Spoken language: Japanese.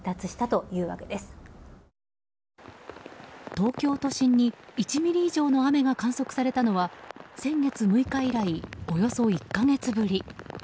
東京都心に１ミリ以上の雨が観測されたのは先月６日以来およそ１か月ぶり。